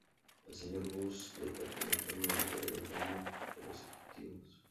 El Sr. Burns le da como premio la llave del baño de los ejecutivos.